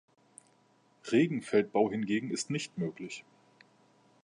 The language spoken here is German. Regenfeldbau hingegen ist nicht möglich.